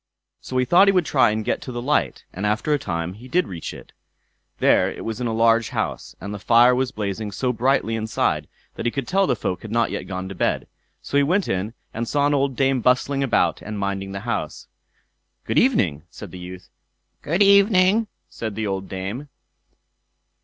So he thought he would try and get to the light; and after a time he did reach it. There it was in a large house, and the fire was blazing so brightly inside, that he could tell the folk had not yet gone to bed; so he went in and saw an old dame bustling about and minding the house. "Good evening!" said the youth. "Good evening!" said the old dame.